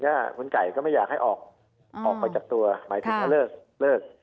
กับคุณไก่ก็ไม่อยากให้ออกค่ะออกไปจากตัวหมายถึงว่าเลิก